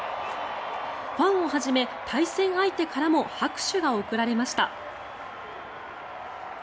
ファンをはじめ、対戦相手からも拍手が送られました。